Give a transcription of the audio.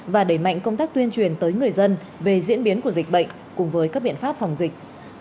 và đẩy mạnh công tác tuyên truyền tới người dân về diễn biến của dịch bệnh cùng với các biện pháp phòng dịch